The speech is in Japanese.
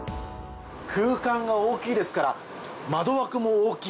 空間が大きいですから窓枠も大きい。